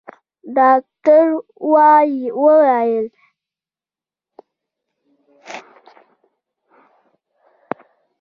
ډاکتر وويل ويې ليکه.